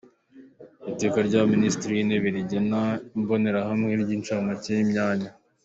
Iteka rya Minisitiri w‟Intebe rigena imbonerahamwe n‟incamake y‟imyanya